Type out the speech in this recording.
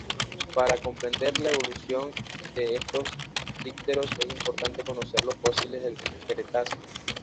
Para comprender la evolución de estos dípteros es importante conocer los fósiles del Cretácico.